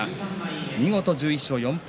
見事、１１勝４敗